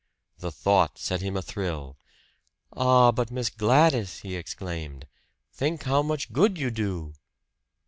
The thought set him athrill. "Ah, but Miss Gladys!" he exclaimed. "Think how much good you do!"